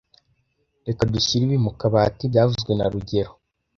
Reka dushyire ibi mu kabati byavuzwe na rugero